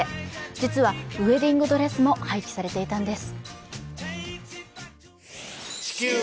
実はウエディングドレスも廃棄されていたんです。